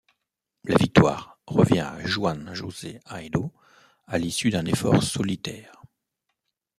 La victoire revient à Juan José Haedo à l'issue d'un effort solitaire.